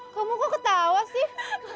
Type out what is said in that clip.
kamu kok ketawa sih